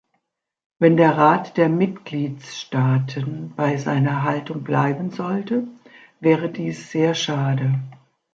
Wenn der Rat der Mitgliedstaaten bei seiner Haltung bleiben sollte, wäre dies sehr schade.